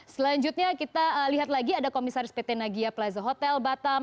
selanjutnya kita lihat lagi ada komisaris pt nagia plaza hotel batam